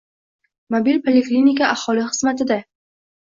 Mobil poliklinika aholi xizmatidang